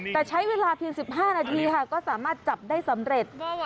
แต่ใช้เวลาเพียง๑๕นาทีค่ะก็สามารถจับได้สำเร็จ